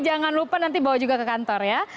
jangan lupa nanti bawa juga ke kantor ya